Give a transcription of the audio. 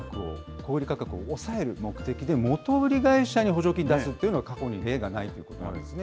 小売り価格を抑える目的で、元売り会社に補助金を出すというのは、過去に例がないということなんですね。